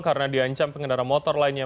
karena diancam pengendara motor lainnya